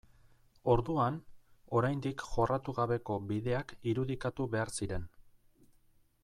Orduan, oraindik jorratu gabeko bideak irudikatu behar ziren.